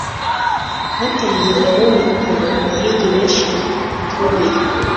hatangiye kuboneka abahigi benshi bahaturiye